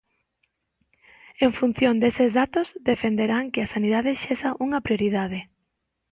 En función deses datos defenderán "que a sanidade sexa unha prioridade".